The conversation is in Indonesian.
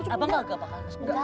abang gak keadaan